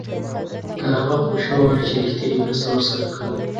که هغه پوه شوی وای چې رښتینې مرسته ورسره کوو.